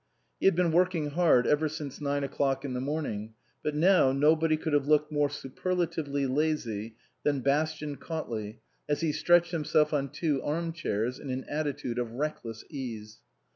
He had been working hard ever since nine o'clock in the morning; but now nobody could have looked more superlatively lazy than Bastian Cautley as he stretched himself on two armchairs in an attitude of reckless ease.